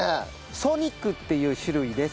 ソニックっていう種類です。